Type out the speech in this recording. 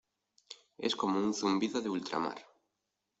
es como un zumbido de ultramar.